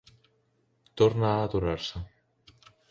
Torna a aturar-se.